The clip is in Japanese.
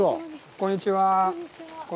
こんにちは。